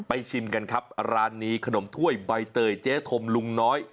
ชิมกันครับร้านนี้ขนมถ้วยใบเตยเจ๊ธมลุงน้อย